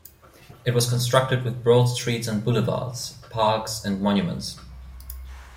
It was constructed with broad streets and boulevards, parks and monuments.